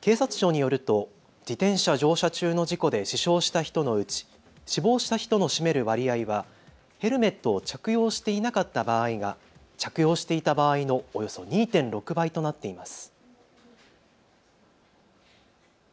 警察庁によると自転車乗車中の事故で死傷した人のうち死亡した人の占める割合はヘルメットを着用していなかった場合が、着用ししていた場合のおよそ２．６倍となっています。